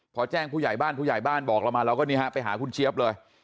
พอแจ้งผู้ใหญ่บ้านผู้ใหญ่บ้านบอกเรามาเราก็นี่ฮะไปหาคุณเจี๊ยบเลย